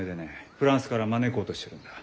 フランスから招こうとしてるんだ。